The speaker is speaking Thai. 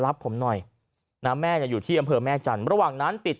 รับผมหน่อยนะแม่เนี่ยอยู่ที่อำเภอแม่จันทร์ระหว่างนั้นติด